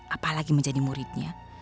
apalagi menjadi muridnya